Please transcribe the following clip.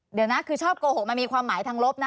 เดี๋ยวนะคือชอบโกหกมันมีความหมายทางลบนะ